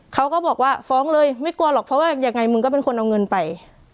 เขาก็บอกว่าฟ้องเลยไม่กลัวหรอกเพราะว่ายังไงมึงก็เป็นคนเอาเงินไป